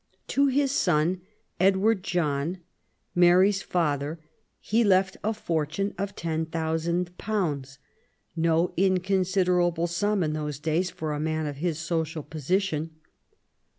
To his son, Edward John, Mary's father, he left a fortune of ten thousand pounds, no inconsiderable sum in those days for a man of his social position.